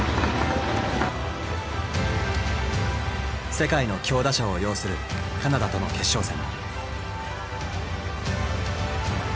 世界の強打者を擁するカナダとの決勝戦。